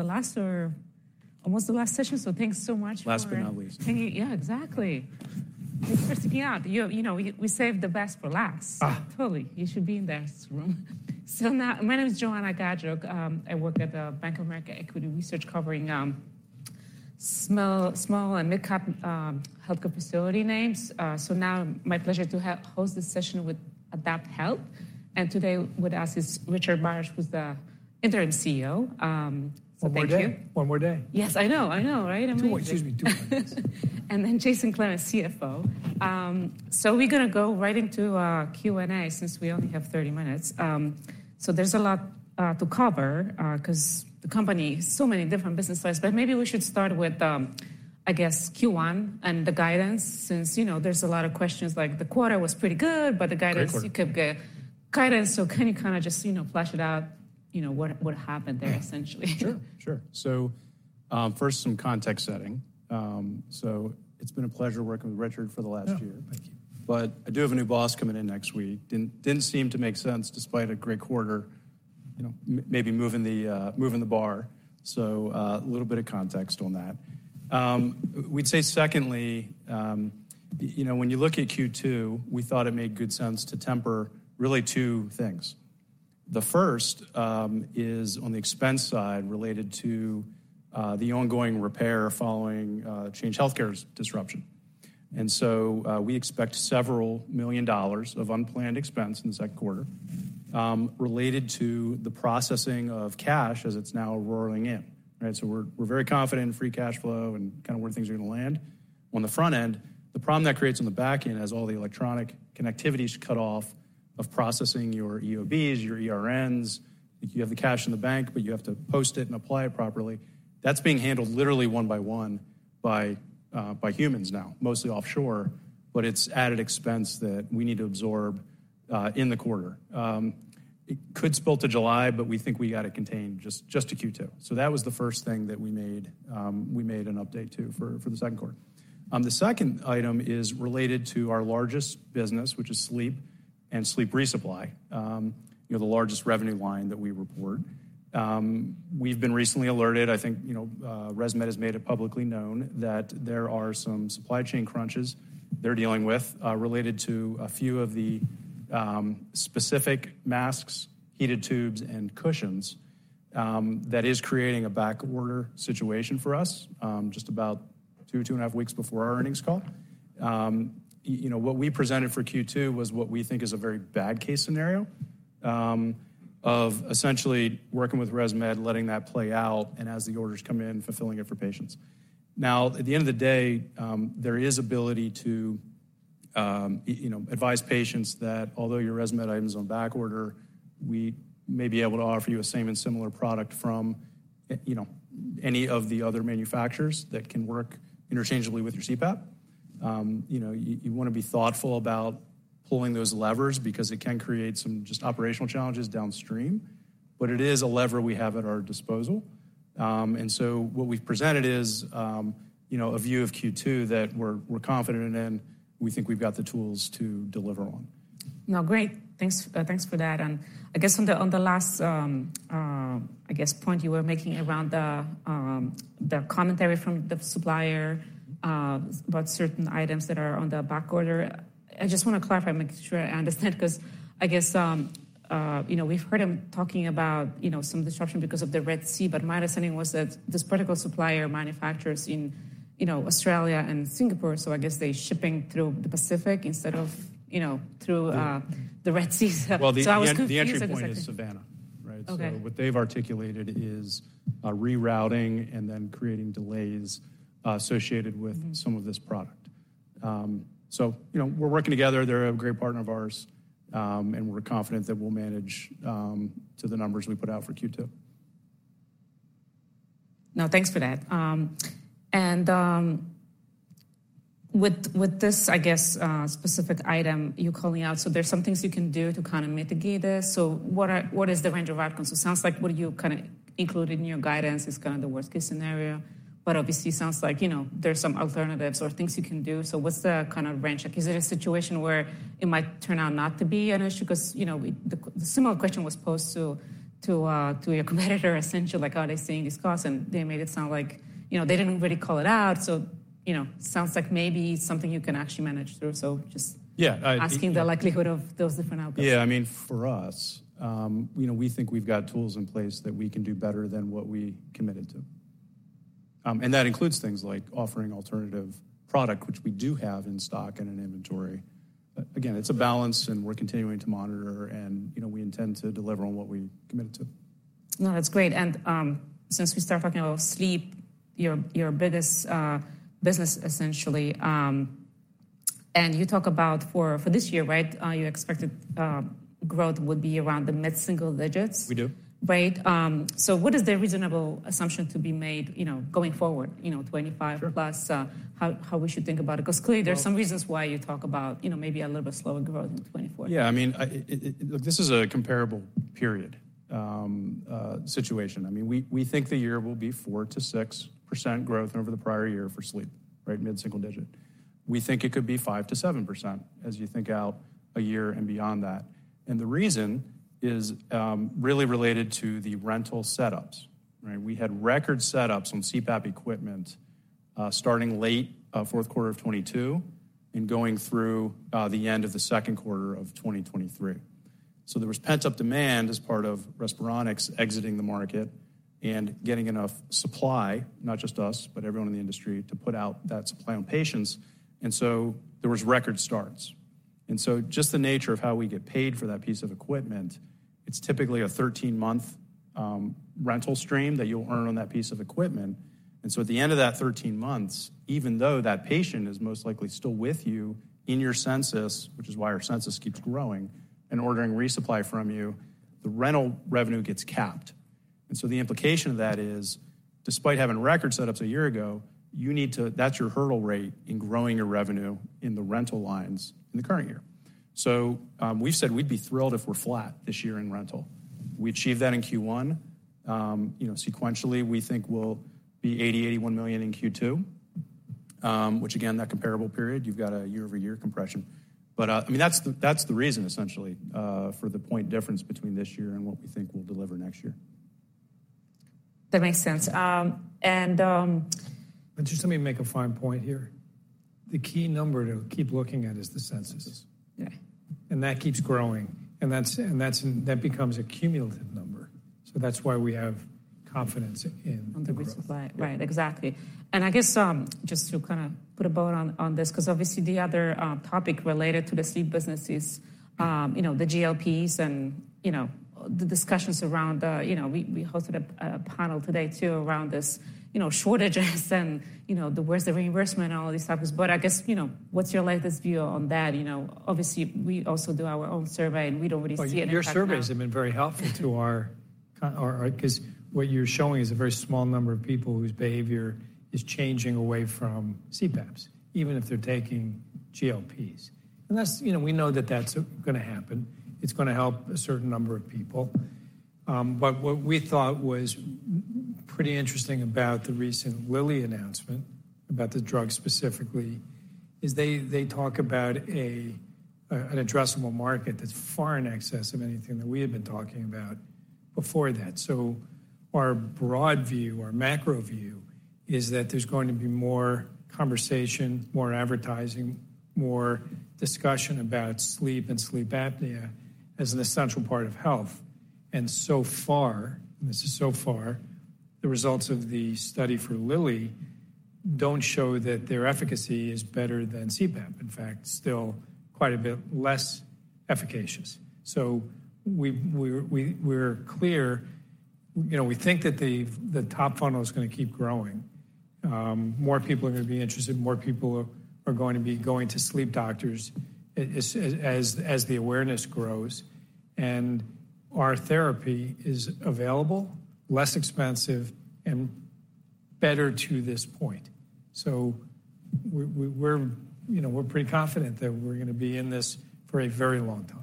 The last or almost the last session, so thanks so much. Last but not least. Can you yeah, exactly. Thanks for sticking out. You know, we saved the best for last. Totally. You should be in this room. So now, my name is Joanna Gajuk. I work at the Bank of America Equity Research covering small and mid-cap healthcare facility names. So now my pleasure to host this session with AdaptHealth. And today with us is Richard Barasch, who's the Interim CEO. So thank you. One more day? One more day? Yes, I know. I know, right? I mean. Two more. Excuse me. Two more minutes. Then Jason Clemens, CFO. So we're going to go right into Q&A since we only have 30 minutes. So there's a lot to cover because the company, so many different business stories, but maybe we should start with, I guess, Q1 and the guidance since there's a lot of questions like the quarter was pretty good, but the guidance. Great questions. You could get guidance, so can you kind of just flesh it out, what happened there, essentially? Sure. Sure. So first, some context setting. So it's been a pleasure working with Richard for the last year. Thank you. But I do have a new boss coming in next week. Didn't seem to make sense despite a great quarter, maybe moving the bar. So a little bit of context on that. We'd say secondly, when you look at Q2, we thought it made good sense to temper really two things. The first is on the expense side related to the ongoing repair following Change Healthcare disruption. And so we expect $several million of unplanned expense in the Q2 related to the processing of cash as it's now rolling in. So we're very confident in free cash flow and kind of where things are going to land. On the front end, the problem that creates on the back end as all the electronic connectivity is cut off of processing your EOBs, your ERNs. You have the cash in the bank, but you have to post it and apply it properly. That's being handled literally one by one by humans now, mostly offshore, but it's added expense that we need to absorb in the quarter. It could spill to July, but we think we got it contained just to Q2. So that was the first thing that we made an update to for the Q2. The second item is related to our largest business, which is sleep and sleep resupply, the largest revenue line that we report. We've been recently alerted. I think ResMed has made it publicly known that there are some supply chain crunches they're dealing with related to a few of the specific masks, heated tubes, and cushions that is creating a backorder situation for us just about 2-2.5 weeks before our earnings call. What we presented for Q2 was what we think is a very bad case scenario of essentially working with ResMed, letting that play out, and as the orders come in, fulfilling it for patients. Now, at the end of the day, there is ability to advise patients that although your ResMed item is on backorder, we may be able to offer you a same and similar product from any of the other manufacturers that can work interchangeably with your CPAP. You want to be thoughtful about pulling those levers because it can create some just operational challenges downstream, but it is a lever we have at our disposal. And so what we've presented is a view of Q2 that we're confident in. We think we've got the tools to deliver on. No, great. Thanks for that. And I guess on the last point you were making around the commentary from the supplier about certain items that are on the backorder, I just want to clarify and make sure I understand because I guess we've heard him talking about some disruption because of the Red Sea, but my understanding was that this particular supplier manufactures in Australia and Singapore, so I guess they're shipping through the Pacific instead of through the Red Sea. So I was curious if that's accurate. Well, the entry point is Savannah, right? So what they've articulated is rerouting and then creating delays associated with some of this product. So we're working together. They're a great partner of ours, and we're confident that we'll manage to the numbers we put out for Q2. No, thanks for that. With this, I guess, specific item you're calling out, so there's some things you can do to kind of mitigate this. What is the range of outcomes? It sounds like what you kind of included in your guidance is kind of the worst-case scenario, but obviously, it sounds like there's some alternatives or things you can do. What's the kind of range? Is it a situation where it might turn out not to be an issue? Because the similar question was posed to your competitor, essentially, like, "Oh, they're seeing these costs," and they made it sound like they didn't really call it out. It sounds like maybe it's something you can actually manage through. Just asking the likelihood of those different outcomes. Yeah. I mean, for us, we think we've got tools in place that we can do better than what we committed to. And that includes things like offering alternative product, which we do have in stock and in inventory. Again, it's a balance, and we're continuing to monitor, and we intend to deliver on what we committed to. No, that's great. Since we started talking about sleep, your biggest business, essentially, and you talk about for this year, right, you expected growth would be around the mid-single digits. We do. Right? So what is the reasonable assumption to be made going forward, 25+, how we should think about it? Because clearly, there's some reasons why you talk about maybe a little bit slower growth in 2024. Yeah. I mean, look, this is a comparable period situation. I mean, we think the year will be 4%-6% growth over the prior year for sleep, right, mid-single digit. We think it could be 5%-7% as you think out a year and beyond that. And the reason is really related to the rental setups, right? We had record setups on CPAP equipment starting late Q4 of 2022 and going through the end of the Q2 of 2023. So there was pent-up demand as part of Respironics exiting the market and getting enough supply, not just us, but everyone in the industry, to put out that supply on patients. And so there was record starts. And so just the nature of how we get paid for that piece of equipment, it's typically a 13-month rental stream that you'll earn on that piece of equipment. And so at the end of that 13 months, even though that patient is most likely still with you in your census, which is why our census keeps growing, and ordering resupply from you, the rental revenue gets capped. And so the implication of that is, despite having record setups a year ago, that's your hurdle rate in growing your revenue in the rental lines in the current year. So we've said we'd be thrilled if we're flat this year in rental. We achieved that in Q1. Sequentially, we think we'll be $80-$81 million in Q2, which, again, that comparable period, you've got a year-over-year compression. I mean, that's the reason, essentially, for the point difference between this year and what we think we'll deliver next year. That makes sense. And. Let's just let me make a fine point here. The key number to keep looking at is the census. And that keeps growing, and that becomes a cumulative number. So that's why we have confidence in. On the resupply. Right. Exactly. And I guess just to kind of put a bow on this because obviously, the other topic related to the sleep business is the GLPs and the discussions around. We hosted a panel today, too, around these shortages and where's the reimbursement and all these stuff. But I guess what's your latest view on that? Obviously, we also do our own survey, and we'd already see it in the past. Your surveys have been very helpful to us because what you're showing is a very small number of people whose behavior is changing away from CPAPs, even if they're taking GLPs. And we know that that's going to happen. It's going to help a certain number of people. But what we thought was pretty interesting about the recent Lilly announcement about the drug specifically is they talk about an addressable market that's far in excess of anything that we had been talking about before that. So our broad view, our macro view, is that there's going to be more conversation, more advertising, more discussion about sleep and sleep apnea as an essential part of health. And so far, and this is so far, the results of the study for Lilly don't show that their efficacy is better than CPAP, in fact, still quite a bit less efficacious. So we're clear. We think that the top funnel is going to keep growing. More people are going to be interested. More people are going to be going to sleep doctors as the awareness grows. And our therapy is available, less expensive, and better to this point. So we're pretty confident that we're going to be in this for a very long time.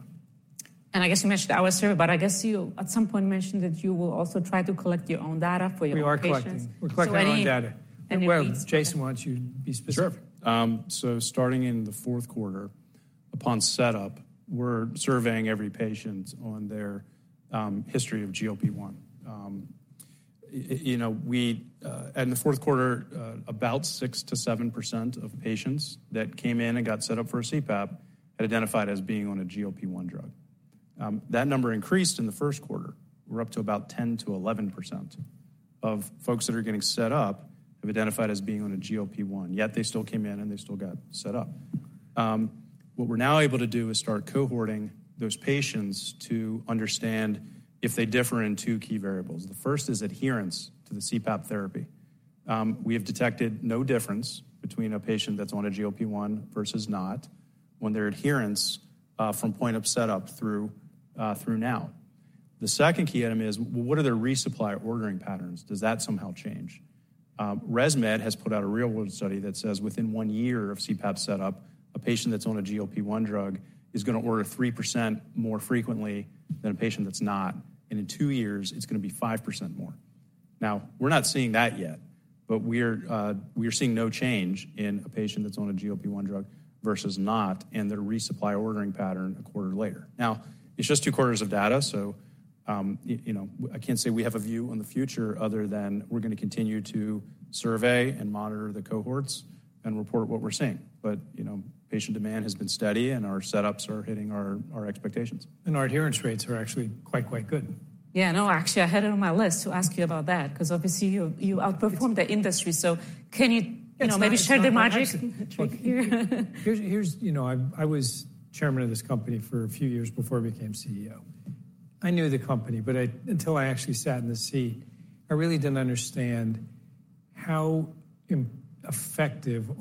I guess you mentioned that was true, but I guess you, at some point, mentioned that you will also try to collect your own data for your patients. We are collecting. We're collecting our own data. Jason wants you to be specific. Sure. So starting in the Q4, upon setup, we're surveying every patient on their history of GLP-1. And in the Q4, about 6%-7% of patients that came in and got set up for a CPAP had identified as being on a GLP-1 drug. That number increased in the Q1. We're up to about 10%-11% of folks that are getting set up have identified as being on a GLP-1, yet they still came in and they still got set up. What we're now able to do is start cohorting those patients to understand if they differ in two key variables. The first is adherence to the CPAP therapy. We have detected no difference between a patient that's on a GLP-1 versus not when their adherence from point of setup through now. The second key item is, well, what are their resupply ordering patterns? Does that somehow change? ResMed has put out a real-world study that says within 1 year of CPAP setup, a patient that's on a GLP-1 drug is going to order 3% more frequently than a patient that's not. In 2 years, it's going to be 5% more. Now, we're not seeing that yet, but we're seeing no change in a patient that's on a GLP-1 drug versus not and their resupply ordering pattern a quarter later. Now, it's just 2 quarters of data, so I can't say we have a view on the future other than we're going to continue to survey and monitor the cohorts and report what we're seeing. Patient demand has been steady, and our setups are hitting our expectations. Our adherence rates are actually quite, quite good. Yeah. No, actually, I had it on my list to ask you about that because obviously, you outperformed the industry. So can you maybe share the magic trick here? Here, I was chairman of this company for a few years before I became CEO. I knew the company, but until I actually sat in the seat, I really didn't understand how effective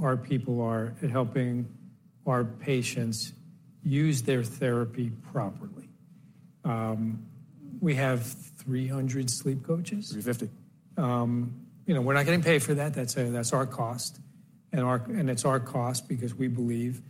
our people are at helping our patients use their therapy properly. We have 300 sleep coaches. 350. We're not getting paid for that. That's our cost. And it's our cost because we believe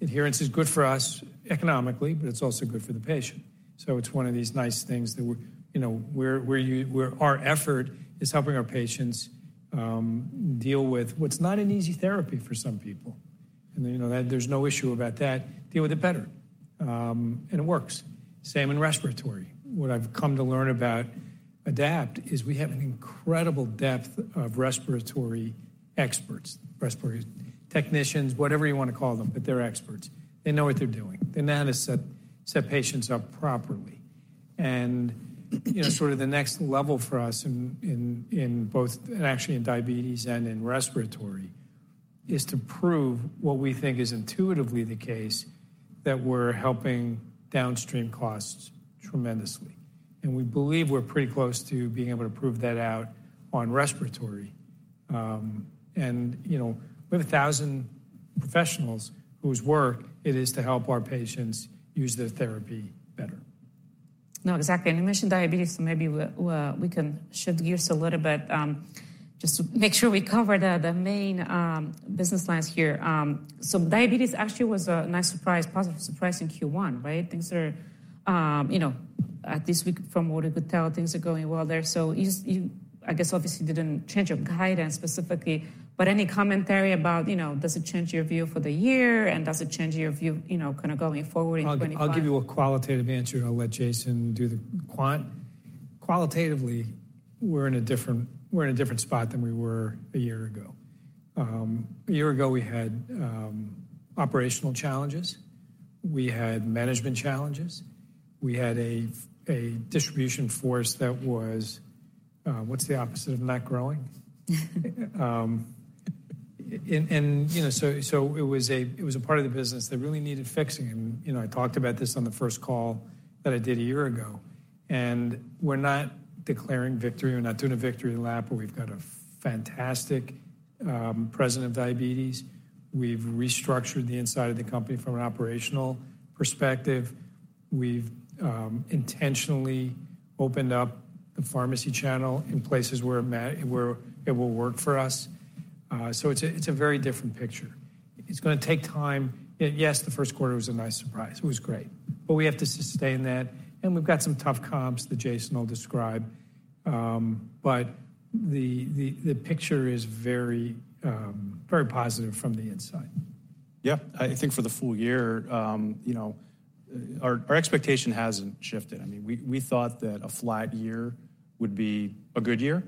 adherence is good for us economically, but it's also good for the patient. So it's one of these nice things that our effort is helping our patients deal with what's not an easy therapy for some people. And there's no issue about that. Deal with it better. And it works. Same in respiratory. What I've come to learn about Adapt is we have an incredible depth of respiratory experts, respiratory technicians, whatever you want to call them, but they're experts. They know what they're doing. They know how to set patients up properly. And sort of the next level for us in both actually in diabetes and in respiratory is to prove what we think is intuitively the case that we're helping downstream costs tremendously. We believe we're pretty close to being able to prove that out on respiratory. We have 1,000 professionals whose work it is to help our patients use their therapy better. No, exactly. And you mentioned diabetes, so maybe we can shift gears a little bit just to make sure we cover the main business lines here. So diabetes actually was a nice surprise, positive surprise in Q1, right? Things are at least from what we could tell, things are going well there. So I guess obviously, you didn't change your guidance specifically, but any commentary about does it change your view for the year, and does it change your view kind of going forward in 2025? I'll give you a qualitative answer, and I'll let Jason do the quant. Qualitatively, we're in a different spot than we were a year ago. A year ago, we had operational challenges. We had management challenges. We had a distribution force that was what's the opposite of not growing? And so it was a part of the business. They really needed fixing it. And I talked about this on the first call that I did a year ago. And we're not declaring victory. We're not doing a victory lap, but we've got a fantastic present of diabetes. We've restructured the inside of the company from an operational perspective. We've intentionally opened up the pharmacy channel in places where it will work for us. So it's a very different picture. It's going to take time. Yes, the Q1 was a nice surprise. It was great. We have to sustain that. We've got some tough comps that Jason will describe. But the picture is very, very positive from the inside. Yeah. I think for the full year, our expectation hasn't shifted. I mean, we thought that a flat year would be a good year.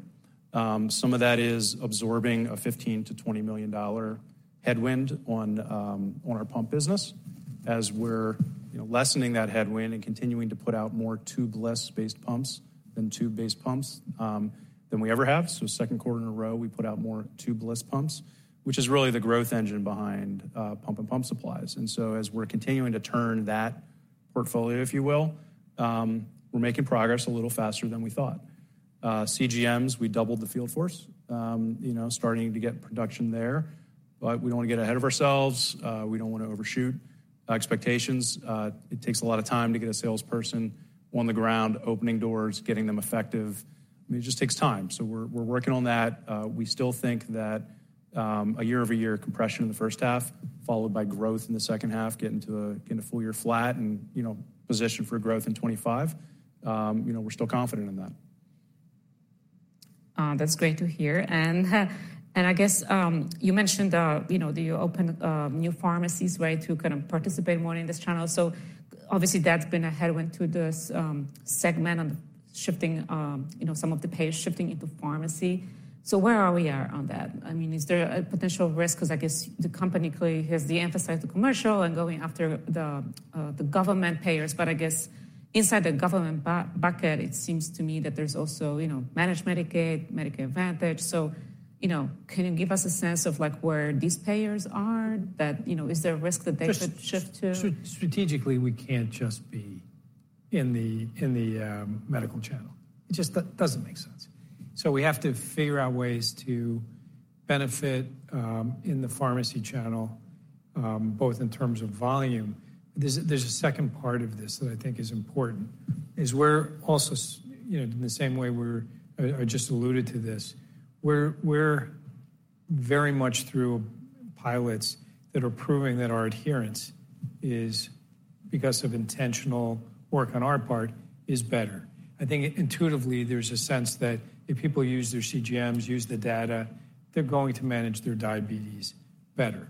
Some of that is absorbing a $15-$20 million headwind on our pump business as we're lessening that headwind and continuing to put out more tubeless-based pumps than tube-based pumps than we ever have. So Q2 in a row, we put out more tube-less pumps, which is really the growth engine behind pump and pump supplies. And so as we're continuing to turn that portfolio, if you will, we're making progress a little faster than we thought. CGMs, we doubled the field force, starting to get production there. But we don't want to get ahead of ourselves. We don't want to overshoot expectations. It takes a lot of time to get a salesperson on the ground, opening doors, getting them effective. I mean, it just takes time. So we're working on that. We still think that a year-over-year compression in the first half, followed by growth in the second half, getting to a full year flat and position for growth in 2025, we're still confident in that. That's great to hear. And I guess you mentioned do you open new pharmacies, right, to kind of participate more in this channel? So obviously, that's been a headwind to this segment on shifting some of the payers, shifting into pharmacy. So where are we at on that? I mean, is there a potential risk because I guess the company clearly has the emphasis on the commercial and going after the government payers. But I guess inside the government bucket, it seems to me that there's also managed Medicaid, Medicare Advantage. So can you give us a sense of where these payers are? Is there a risk that they could shift to? Strategically, we can't just be in the medical channel. It just doesn't make sense. So we have to figure out ways to benefit in the pharmacy channel, both in terms of volume. There's a second part of this that I think is important. In the same way we just alluded to this, we're very much through pilots that are proving that our adherence is because of intentional work on our part is better. I think intuitively, there's a sense that if people use their CGMs, use the data, they're going to manage their diabetes better.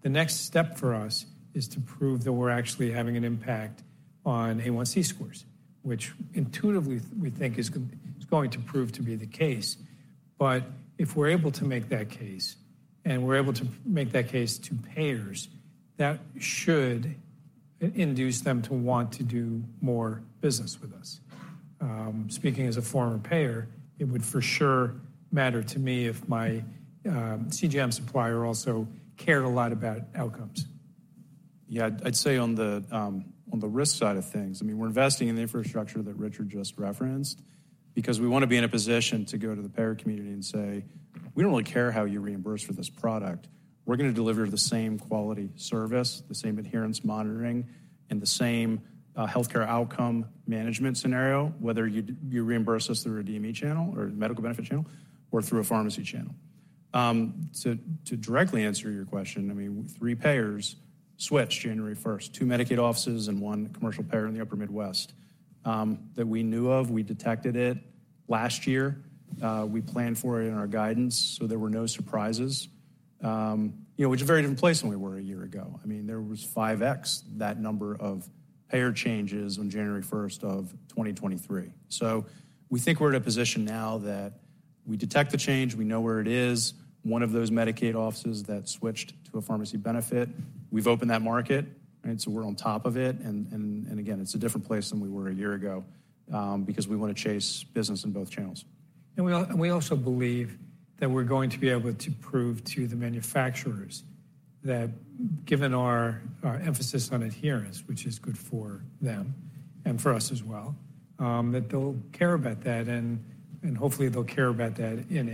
The next step for us is to prove that we're actually having an impact on A1C scores, which intuitively, we think is going to prove to be the case. But if we're able to make that case, and we're able to make that case to payers, that should induce them to want to do more business with us. Speaking as a former payer, it would for sure matter to me if my CGM supplier also cared a lot about outcomes. Yeah. I'd say on the risk side of things, I mean, we're investing in the infrastructure that Richard just referenced because we want to be in a position to go to the payer community and say, "We don't really care how you reimburse for this product. We're going to deliver the same quality service, the same adherence monitoring, and the same healthcare outcome management scenario, whether you reimburse us through a DME channel or medical benefit channel or through a pharmacy channel." To directly answer your question, I mean, three payers switched January 1st, two Medicaid offices and one commercial payer in the upper Midwest that we knew of. We detected it last year. We planned for it in our guidance, so there were no surprises, which is a very different place than we were a year ago. I mean, there was 5X that number of payer changes on January 1st of 2023. So we think we're in a position now that we detect the change. We know where it is. One of those Medicaid offices that switched to a pharmacy benefit. We've opened that market, right? So we're on top of it. And again, it's a different place than we were a year ago because we want to chase business in both channels. We also believe that we're going to be able to prove to the manufacturers that given our emphasis on adherence, which is good for them and for us as well, that they'll care about that. Hopefully, they'll care about that in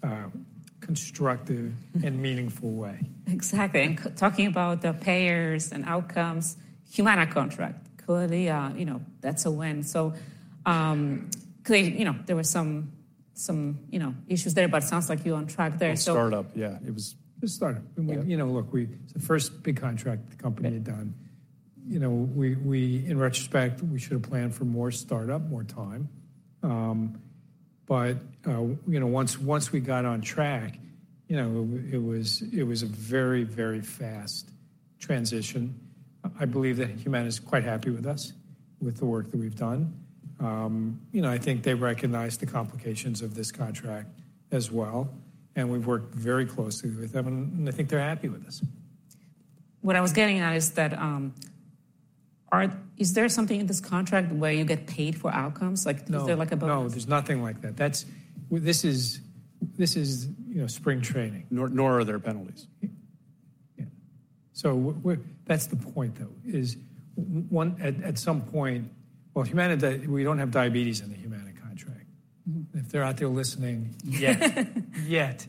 a constructive and meaningful way. Exactly. And talking about the payers and outcomes, Humana contract, clearly, that's a win. So clearly, there were some issues there, but it sounds like you're on track there, so. It was a startup. Yeah. It was a startup. Look, it's the first big contract the company had done. In retrospect, we should have planned for more startup, more time. But once we got on track, it was a very, very fast transition. I believe that Humana is quite happy with us, with the work that we've done. I think they recognize the complications of this contract as well. And we've worked very closely with them, and I think they're happy with us. What I was getting at is that is there something in this contract where you get paid for outcomes? Is there a bonus? No. No. There's nothing like that. This is spring training. Nor are there penalties. Yeah. So that's the point, though, is at some point well, we don't have diabetes in the Humana contract. If they're out there listening, yet.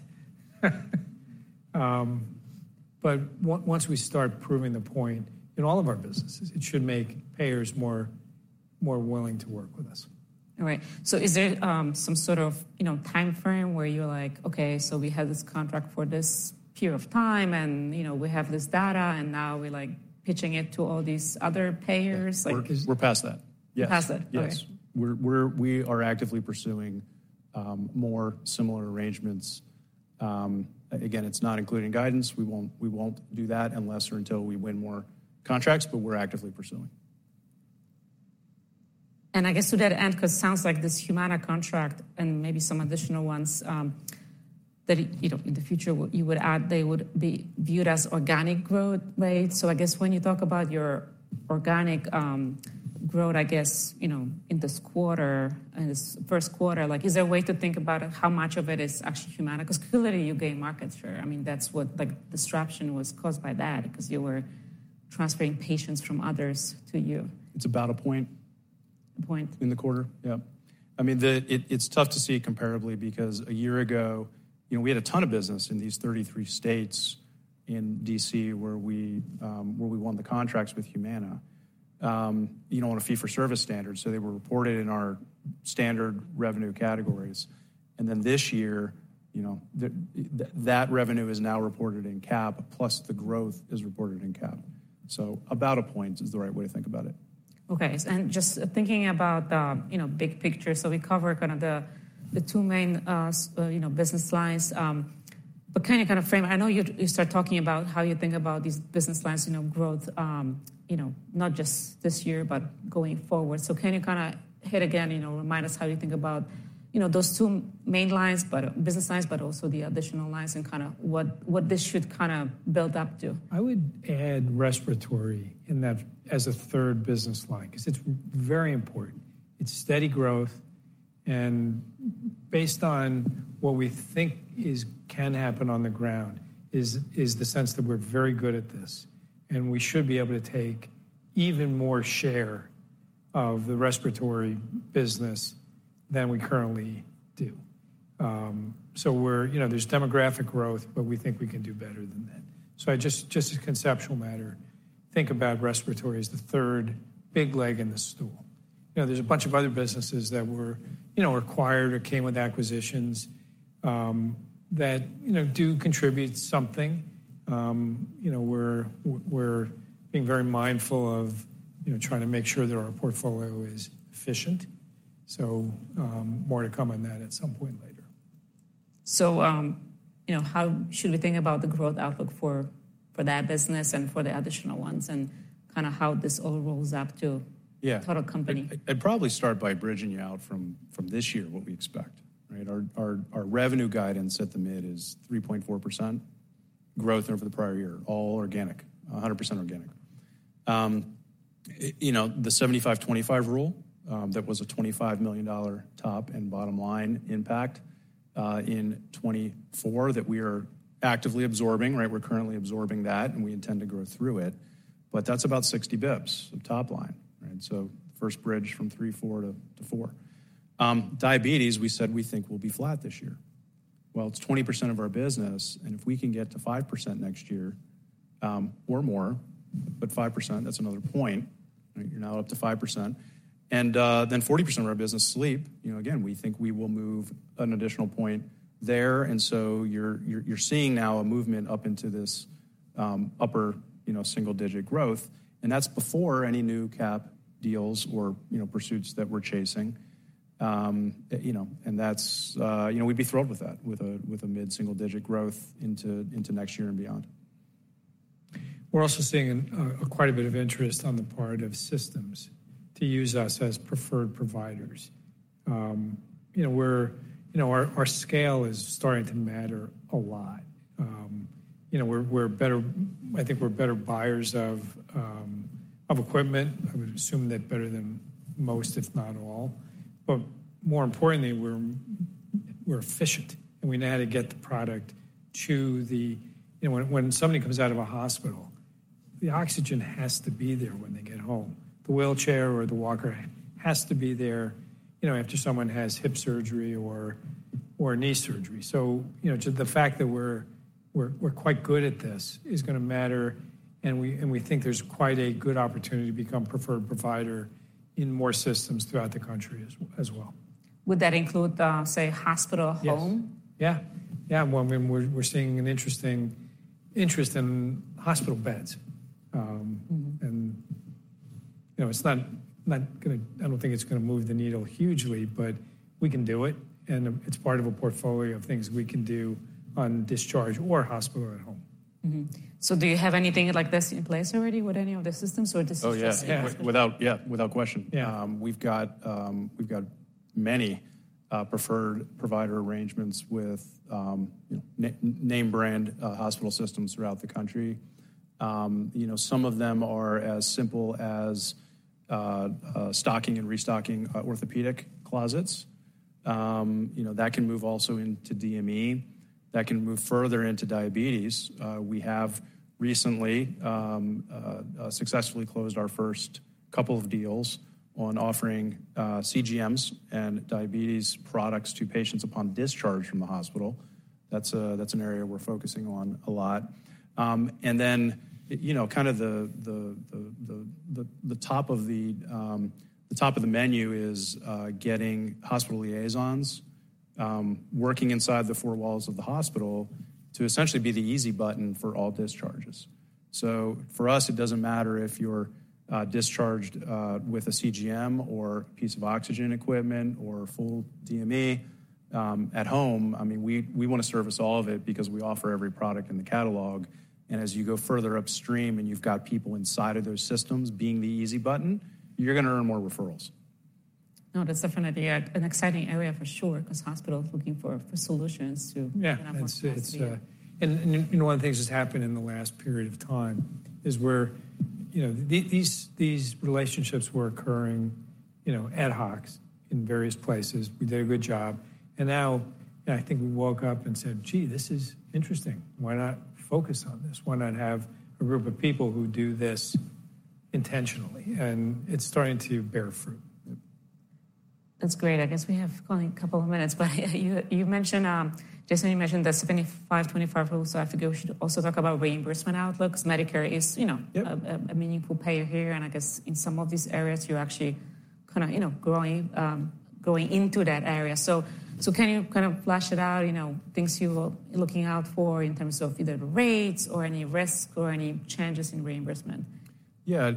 But once we start proving the point in all of our businesses, it should make payers more willing to work with us. All right. So is there some sort of timeframe where you're like, "Okay. So we had this contract for this period of time, and we have this data, and now we're pitching it to all these other payers"? We're past that. Yes. We're past that. Yes. We are actively pursuing more similar arrangements. Again, it's not including guidance. We won't do that unless or until we win more contracts, but we're actively pursuing. I guess to that end, because it sounds like this Humana contract and maybe some additional ones that in the future you would add, they would be viewed as organic growth, right? So I guess when you talk about your organic growth, I guess, in this quarter, in this Q1, is there a way to think about how much of it is actually Humana? Because clearly, you gain market share. I mean, that's what disruption was caused by that because you were transferring patients from others to you. It's about a point. A point. In the quarter. Yeah. I mean, it's tough to see it comparably because a year ago, we had a ton of business in these 33 states and D.C. where we won the contracts with Humana. You don't want a fee-for-service standard, so they were reported in our standard revenue categories. And then this year, that revenue is now reported in cap, plus the growth is reported in cap. So about a point is the right way to think about it. Okay. And just thinking about the big picture, so we cover kind of the two main business lines, but can you kind of frame, I know you started talking about how you think about these business lines, growth, not just this year but going forward. So can you kind of hit again, remind us how you think about those two main lines, business lines, but also the additional lines and kind of what this should kind of build up to? I would add respiratory as a third business line because it's very important. It's steady growth. And based on what we think can happen on the ground is the sense that we're very good at this, and we should be able to take even more share of the respiratory business than we currently do. So there's demographic growth, but we think we can do better than that. So just as a conceptual matter, think about respiratory as the third big leg in the stool. There's a bunch of other businesses that were acquired or came with acquisitions that do contribute something. We're being very mindful of trying to make sure that our portfolio is efficient. So more to come on that at some point later. How should we think about the growth outlook for that business and for the additional ones and kind of how this all rolls up to total company? Yeah. I'd probably start by bridging you out from this year, what we expect, right? Our revenue guidance at the mid is 3.4% growth over the prior year, all organic, 100% organic. The 75/25 Rule that was a $25 million top and bottom line impact in 2024 that we are actively absorbing, right? We're currently absorbing that, and we intend to grow through it. But that's about 60 bips of top line, right? So the first bridge from 3.4 to 4. Diabetes, we said we think will be flat this year. Well, it's 20% of our business, and if we can get to 5% next year or more, but 5%, that's another point, right? You're now up to 5%. And then 40% of our business, sleep. Again, we think we will move an additional point there. And so you're seeing now a movement up into this upper single-digit growth. That's before any new cap deals or pursuits that we're chasing. We'd be thrilled with that, with a mid single-digit growth into next year and beyond. We're also seeing quite a bit of interest on the part of systems to use us as preferred providers. Our scale is starting to matter a lot. I think we're better buyers of equipment. I would assume that better than most, if not all. But more importantly, we're efficient, and we know how to get the product to them when somebody comes out of a hospital, the oxygen has to be there when they get home. The wheelchair or the walker has to be there after someone has hip surgery or knee surgery. So the fact that we're quite good at this is going to matter. And we think there's quite a good opportunity to become a preferred provider in more systems throughout the country as well. Would that include, say, hospital-home? Yes. Yeah. Yeah. Well, I mean, we're seeing an interest in hospital beds. And it's not going to, I don't think, it's going to move the needle hugely, but we can do it. And it's part of a portfolio of things we can do on discharge or hospital at home. Do you have anything like this in place already with any of the systems, or this is just? Oh, yeah. Yeah. Without question. We've got many preferred provider arrangements with name-brand hospital systems throughout the country. Some of them are as simple as stocking and restocking orthopedic closets. That can move also into DME. That can move further into diabetes. We have recently successfully closed our first couple of deals on offering CGMs and diabetes products to patients upon discharge from the hospital. That's an area we're focusing on a lot. And then kind of the top of the menu is getting hospital liaisons working inside the four walls of the hospital to essentially be the easy button for all discharges. So for us, it doesn't matter if you're discharged with a CGM or a piece of oxygen equipment or full DME. At home, I mean, we want to service all of it because we offer every product in the catalog. As you go further upstream and you've got people inside of those systems being the easy button, you're going to earn more referrals. No, that's definitely an exciting area for sure because hospitals are looking for solutions to kind of hospital safety. Yeah. One of the things that's happened in the last period of time is where these relationships were occurring ad hoc in various places. We did a good job. Now, I think we woke up and said, "Gee, this is interesting. Why not focus on this? Why not have a group of people who do this intentionally?" It's starting to bear fruit. That's great. I guess we have only a couple of minutes. But Jason, you mentioned the 75/25 Rule. So I figure we should also talk about reimbursement outlook because Medicare is a meaningful payer here. And I guess in some of these areas, you're actually kind of growing into that area. So can you kind of flesh it out, things you're looking out for in terms of either the rates or any risk or any changes in reimbursement? Yeah.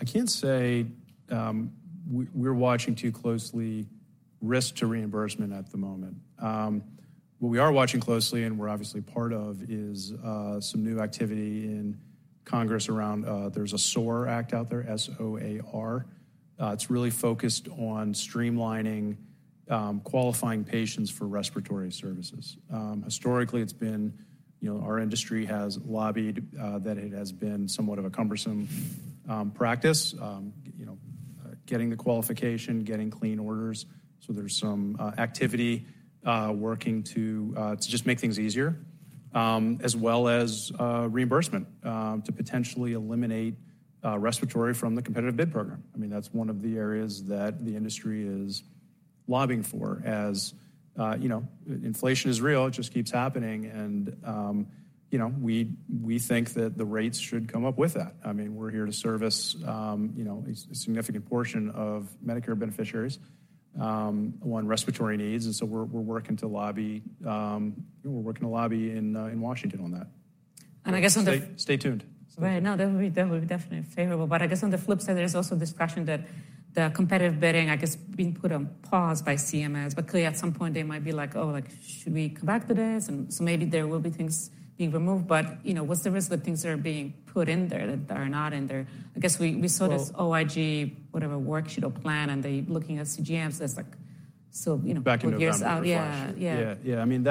I can't say we're watching too closely risk to reimbursement at the moment. What we are watching closely, and we're obviously part of, is some new activity in Congress around. There's a SOAR Act out there, S-O-A-R. It's really focused on streamlining qualifying patients for respiratory services. Historically, our industry has lobbied that it has been somewhat of a cumbersome practice, getting the qualification, getting clean orders. So there's some activity working to just make things easier, as well as reimbursement to potentially eliminate respiratory from the competitive bid program. I mean, that's one of the areas that the industry is lobbying for. As inflation is real, it just keeps happening. And we think that the rates should come up with that. I mean, we're here to service a significant portion of Medicare beneficiaries on respiratory needs. So we're working to lobby in Washington on that. I guess on the. Stay tuned. Right. No, that would be definitely favorable. But I guess on the flip side, there's also a discussion that the competitive bidding, I guess, being put on pause by CMS. But clearly, at some point, they might be like, "Oh, should we come back to this?" And so maybe there will be things being removed. But what's the risk that things that are being put in there that are not in there? I guess we saw this OIG, whatever, worksheet or plan, and they're looking at CGMs. That's like four years out. Back in November. Yeah. Yeah. Yeah. I mean,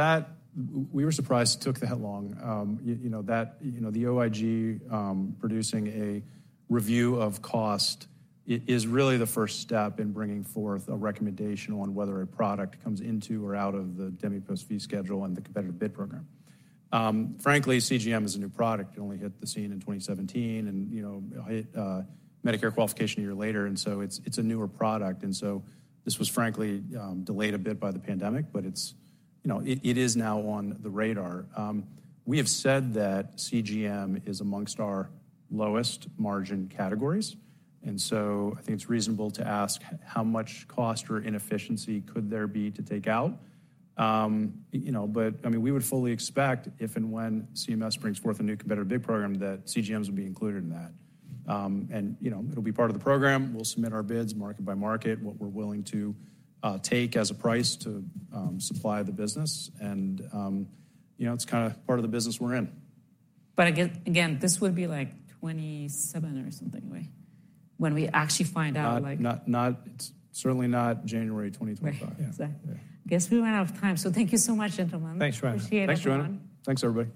we were surprised it took that long. The OIG producing a review of cost is really the first step in bringing forth a recommendation on whether a product comes into or out of the DMEPOS fee schedule and the competitive bid program. Frankly, CGM is a new product. It only hit the scene in 2017 and hit Medicare qualification a year later. And so it's a newer product. And so this was, frankly, delayed a bit by the pandemic, but it is now on the radar. We have said that CGM is among our lowest-margin categories. And so I think it's reasonable to ask how much cost or inefficiency could there be to take out. But I mean, we would fully expect if and when CMS brings forth a new competitive bid program that CGMs would be included in that. It'll be part of the program. We'll submit our bids, market by market, what we're willing to take as a price to supply the business. It's kind of part of the business we're in. But again, this would be like 2027 or something away when we actually find out. Certainly not January 2025. Right. Exactly. I guess we ran out of time. So thank you so much, gentlemen. Thanks, Joanna. Appreciate it, everyone. Thanks, Joanna. Thanks, everybody.